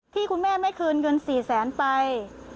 ที่คุณแม่ไม่คืนเงิน๔แสนไป